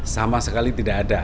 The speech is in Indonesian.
sama sekali tidak ada